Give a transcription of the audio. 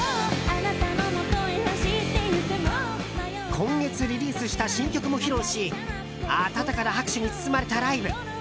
今月リリースした新曲も披露し温かな拍手に包まれたライブ。